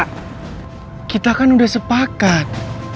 udra kita udah sepakat